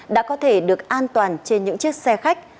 đã có thể được an toàn trên những chiếc xe khách